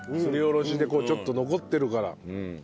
すりおろしでちょっと残ってるから。